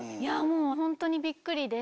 本当にびっくりで。